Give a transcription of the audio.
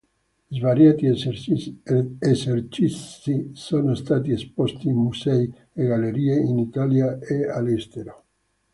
Svariati esercizi sono stati esposti in musei e gallerie in Italia e all'estero.